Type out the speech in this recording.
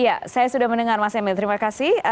ya saya sudah mendengar mas emil terima kasih